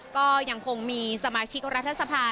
ก็ยังคงมีสมาชิกรัฐสภา